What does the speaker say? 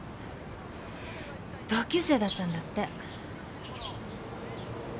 同級生だったんだって。